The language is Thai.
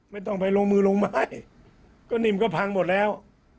ไม่ต้องไปลงมือลงไม้ก็นิ่มก็พังหมดแล้ว